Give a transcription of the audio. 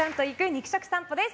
肉食さんぽです。